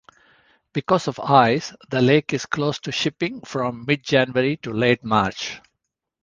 Because of ice, the Lake is closed to shipping from mid-January to late March.